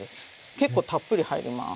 結構たっぷり入ります。